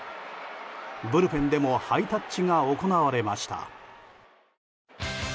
ブルペンでもハイタッチが行われました。